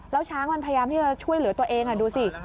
แล้วช้างมันพยายามที่จะช่วยเหลือตัวเองดูสิ